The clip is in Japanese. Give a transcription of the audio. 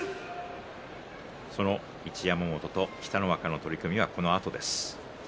その一山本と北の若の取組がこのあとです。